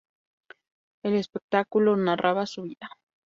El espectáculo narraba su vida.